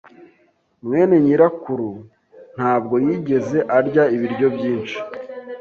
mwene nyirakuru ntabwo yigeze arya ibiryo byinshi.